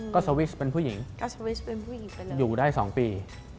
ก็สวิสเป็นผู้หญิงอยู่ได้๒ปีอยู่ได้๒ปี